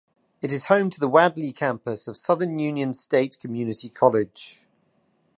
It is home to the Wadley campus of Southern Union State Community College.